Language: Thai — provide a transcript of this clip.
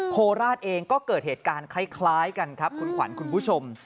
โคราชเองก็เกิดเหตุการณ์คล้ายกันครับคุณขวัญคุณผู้ชม